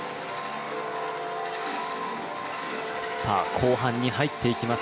後半に入っていきます